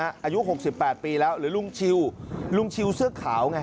อายุ๖๘ปีแล้วหรือลุงชิวลุงชิวเสื้อขาวไง